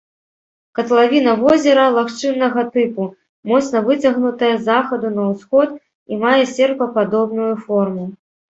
Катлавіна возера лагчыннага тыпу, моцна выцягнутая з захаду на ўсход і мае серпападобную форму.